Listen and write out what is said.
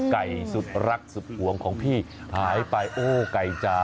ไก่สุดรักสุดหวงของพี่หายไปโอ้ไก่จ๋า